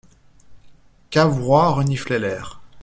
Cavrois reniflait l'air.